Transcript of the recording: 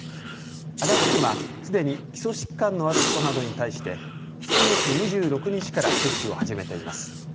足立区はすでに基礎疾患のある人などに対して先月２６日から接種を始めています。